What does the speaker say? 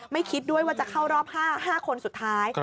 คิดด้วยว่าจะเข้ารอบ๕คนสุดท้าย